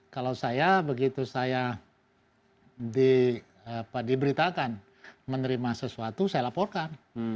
kalau saya begitu saya diberitakan menerima sesuatu saya laporkan